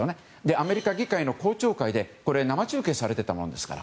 アメリカ議会の公聴会で生中継されてたものですから